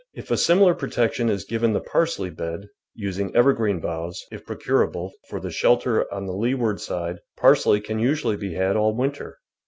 If a similar protection is given the parsley bed, using evergreen boughs, if procurable, for the shelter on the leaward side, parsley can usually be had all winter.